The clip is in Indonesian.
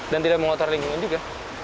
dan tidak mengotor lingkungan juga